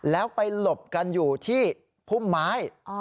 แล้วไปหลบกันอยู่ที่พุ่มไม้